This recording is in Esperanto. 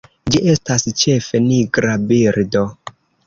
Ĝi estas ĉefe nigra birdo.